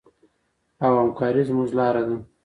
او همکاري زموږ لاره ده.